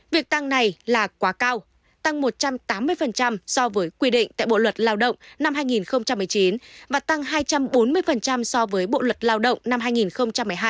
việc tăng này là quá cao tăng một trăm tám mươi so với quy định tại bộ luật lao động năm hai nghìn một mươi chín và tăng hai trăm bốn mươi so với bộ luật lao động năm hai nghìn một mươi hai